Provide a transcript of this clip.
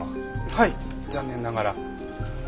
はい残念ながら。